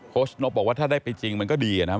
ชนกบอกว่าถ้าได้ไปจริงมันก็ดีนะครับ